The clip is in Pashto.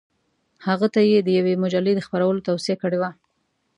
هغه ته یې د یوې مجلې د خپرولو توصیه کړې وه.